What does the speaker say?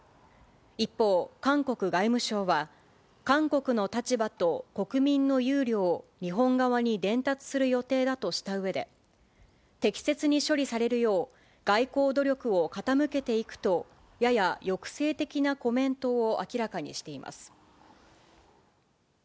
一方、韓国外務省は、韓国の立場と国民の憂慮を日本側に伝達する予定だとしたうえで、適切に処理されるよう、外交努力をかたむけていくと、やや抑制的なコメントを明らかにしています。